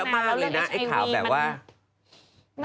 เยอะมากเลยนะข่าวแบบว่า